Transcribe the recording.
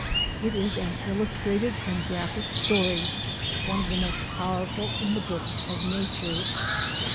It is an illustrated and graphic story— ' one of the most powerful in the book of Nature.